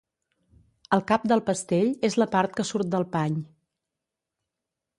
El cap del pestell és la part que surt del pany.